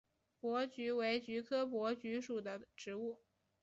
珀菊为菊科珀菊属的植物。